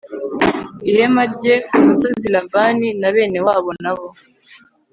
ihema rye ku musozi Labani na bene wabo na bo